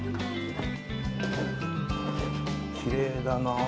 きれいだなあ。